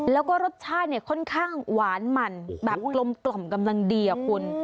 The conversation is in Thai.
แล้วก็รสชาติเนี่ยค่อนข้างหวานมันแบบกลมกำลังดีอะคุณ